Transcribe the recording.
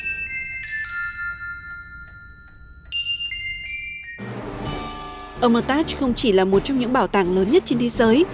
omitage không chỉ là một trong những bảo tàng lớn nhất trên thế giới